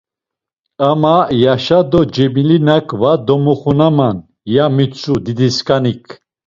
Ama Yaşa do Cemilinak va domoxunaman, ya mitzu Didiskanik.